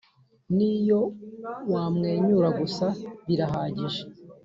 n’iyo wamwenyura gusa birahagije,